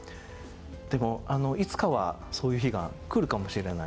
でもいつかはそういう日が来るかもしれないです。